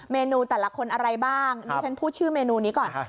เมนูแต่ละคนอะไรบ้างดิฉันพูดชื่อเมนูนี้ก่อน